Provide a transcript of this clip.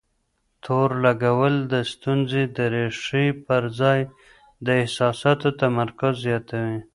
تور لګول د ستونزې د ريښې پر ځای د احساساتو تمرکز زياتوي.